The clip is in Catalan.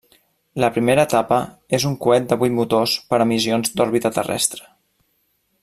La primera etapa és un coet de vuit motors per a missions d'òrbita terrestre.